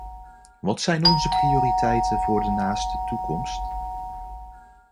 Wat zijn onze prioriteiten voor de naaste toekomst?